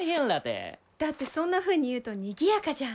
だってそんなふうに言うとにぎやかじゃん。